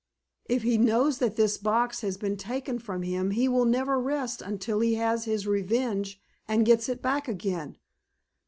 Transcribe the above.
If he knows that this box has been taken from him he will never rest until he has his revenge and gets it back again."